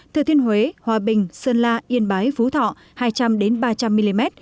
thừa thiên huế hòa bình sơn la yên bái phú thọ hai trăm linh ba trăm linh mm